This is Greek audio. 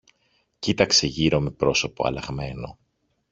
Κοίταξε γύρω με πρόσωπο αλλαγμένο.